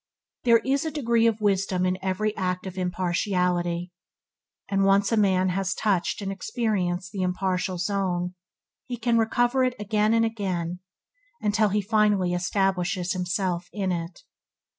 There is a degree of wisdom in every act of impartiality, and once a man has touched and experience the impartial zone, he can recover it again and again until he finally establishes himself in it.